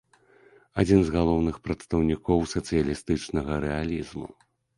Адзін з галоўных прадстаўнікоў сацыялістычнага рэалізму.